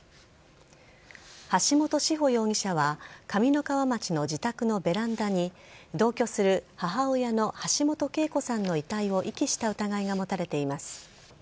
橋本志穂容疑者は上三川町の自宅のベランダに同居する母親の橋本啓子さんの遺体を遺棄した疑いが持たれています。